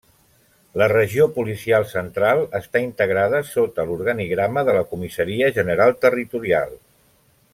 La Regió Policial Central està integrada sota l'organigrama de la Comissaria General Territorial.